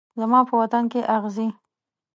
زما په وطن کې اغزي